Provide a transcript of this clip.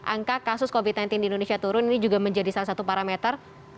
angka kasus covid sembilan belas di indonesia turun ini juga menjadi salah satu parameter